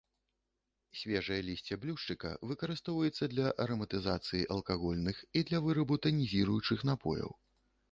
Свежае лісце блюшчыка выкарыстоўваюцца для араматызацыі алкагольных і для вырабу танізуючых напояў.